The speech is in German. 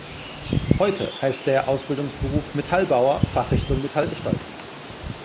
Heute heißt der Ausbildungsberuf "Metallbauer, Fachrichtung Metallgestaltung".